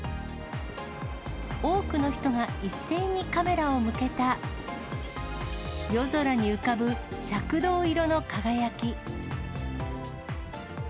多くの人が一斉にカメラを向けた、夜空に浮かぶ赤銅色の輝き。